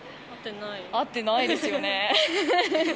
合ってないですよね。